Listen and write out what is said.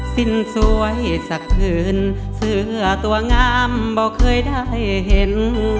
สิ้นสวยสักคืนเสื้อตัวงามบอกเคยได้เห็น